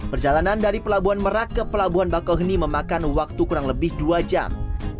perjalanan dari pelabuhan merak ke pelabuhan bakauheni memakan waktu kurang lebih dua jam